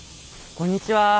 こんにちは。